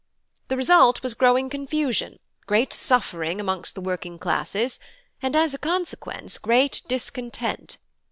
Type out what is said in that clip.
The result was growing confusion, great suffering amongst the working classes, and, as a consequence, great discontent.